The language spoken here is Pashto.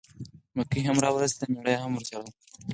مکۍ هم را ورسېده مېړه یې هم ورسره و.